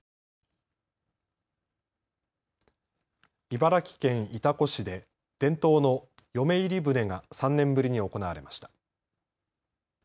茨城県潮来市で伝統の嫁入り舟が３年ぶりに行われました。